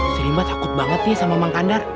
si rimba takut banget sama mang kandar